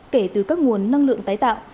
kể từ các nguồn năng lượng tái tạo